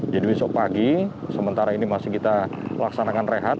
jadi besok pagi sementara ini masih kita laksanakan rehat